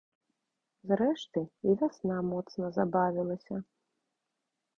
Зрэшты, і вясна моцна забавілася.